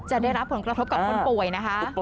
จะได้รับผลกระทบกับคนป่วยนะคะ